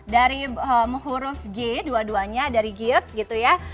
dari huruf g dua duanya dari giut gitu ya